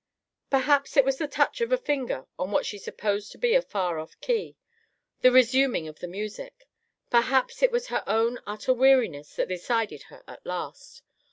Perhaps it was the touch of a finger on what she supposed to be a far off key—the resuming of the music; perhaps it was her own utter weariness that decided her at last.